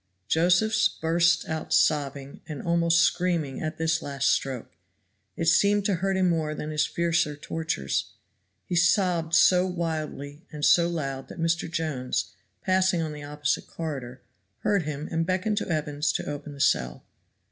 Josephs burst out sobbing and almost screaming at this last stroke; it seemed to hurt him more than his fiercer tortures. He sobbed so wildly and so loud that Mr. Jones, passing on the opposite corridor, heard him and beckoned to Evans to open the cell.